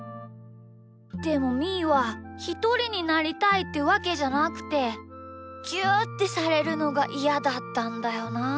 でもみーはひとりになりたいってわけじゃなくてぎゅうってされるのがイヤだったんだよなあ。